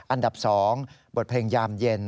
อันดับ๒บทเพลงยามเย็น